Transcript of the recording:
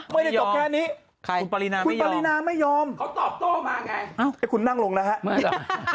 ไม่ได้ตกแค่นี้คุณปรินาไม่ยอมเขาตอบโต้มาไงคุณนั่งลงแล้วฮะ